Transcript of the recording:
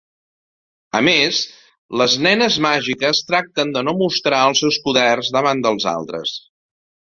A més les nenes màgiques tracten de no mostrar els seus poders davant dels altres.